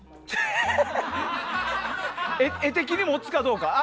画的にもつかどうか。